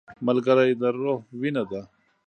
ملګری د روح وینه ده